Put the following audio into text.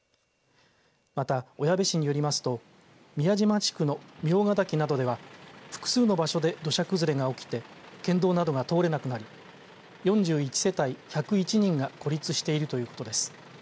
また、小矢部市によりますと宮島地区の名ケ滝などでは複数の場所で土砂崩れが起きて県道などが通れなくなり４１世帯、１０１人が孤立しているということです。